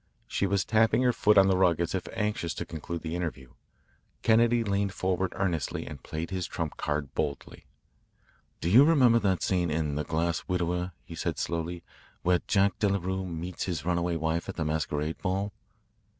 She was tapping her foot on the rug as if anxious to conclude the interview. Kennedy leaned forward earnestly and played his trump card boldly. "Do you remember that scene in 'The Grass Widower,'" he said slowly, "where Jack Delarue meets his runaway wife at the masquerade ball?"